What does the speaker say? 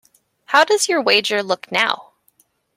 How does your wager look now.